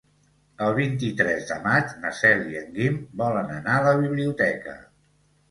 El vint-i-tres de maig na Cel i en Guim volen anar a la biblioteca.